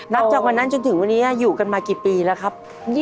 นับจากวันนั้นจนถึงวันนี้อยู่กันมากี่ปีแล้วครับ